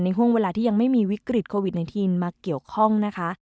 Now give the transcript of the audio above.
ห่วงเวลาที่ยังไม่มีวิกฤตโควิด๑๙มาเกี่ยวข้องนะคะ